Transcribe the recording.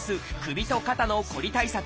首と肩のこり対策